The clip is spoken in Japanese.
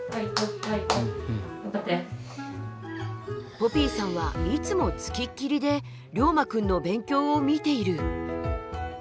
ポピーさんはいつも付きっきりでりょうまくんの勉強を見ている。